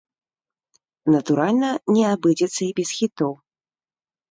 Натуральна, не абыдзецца і без хітоў.